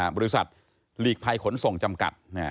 บริษัทหลีกภัยขนส่งจำกัด